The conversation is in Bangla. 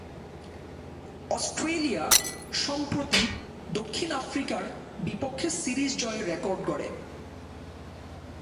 অস্ট্রেলিয়া সম্প্রতি দক্ষিণ আফ্রিকার বিপক্ষে সিরিজ জয়ের রেকর্ড গড়ে।